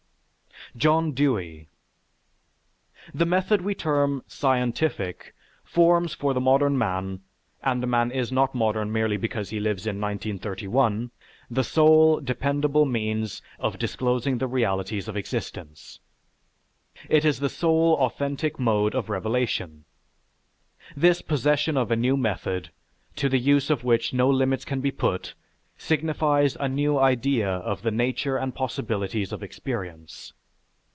JOHN DEWEY The method we term "scientific" forms for the modern man (and a man is not modern merely because he lives in 1931) the sole, dependable means of disclosing the realities of existence. It is the sole authentic mode of revelation. This possession of a new method, to the use of which no limits can be put, signifies a new idea of the nature and possibilities of experience.